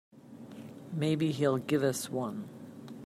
Maybe he'll give us one.